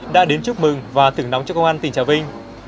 đã đến chúc mừng và thưởng nóng cho công an tỉnh trà vinh